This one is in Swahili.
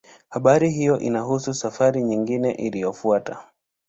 Habari hiyo inahusu safari nyingine iliyofuata.